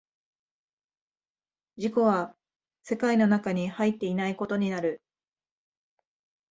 自己は世界の中に入っていないことになる。